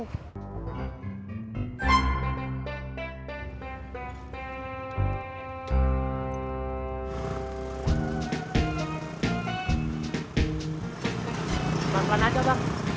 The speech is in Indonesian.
teman teman aja bang